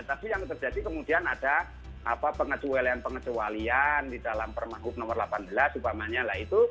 tapi yang terjadi kemudian ada pengecualian pengecualian di dalam permagup nomor delapan belas umpamanya lah itu